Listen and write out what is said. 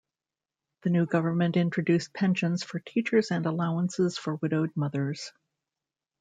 The new government introduced pensions for teachers and allowances for widowed mothers.